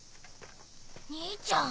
兄ちゃん。